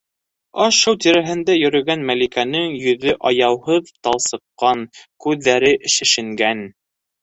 Аш-Һыу тирәһендә йөрөгән Мәликәнең йөҙө аяуһыҙ талсыҡҡан, күҙҙәре шешенгән: